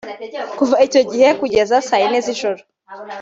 Kuva icyo gihe kugeza saa yine z’ijoro